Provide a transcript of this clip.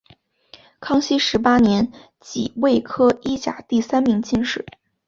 康熙十八年己未科一甲第三名进士。